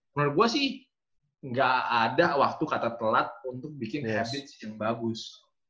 menurut gue sih gak ada waktu kata telat untuk bikin daya beli yang bagus